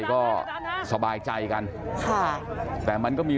เพื่อนบ้านเจ้าหน้าที่อำรวจกู้ภัย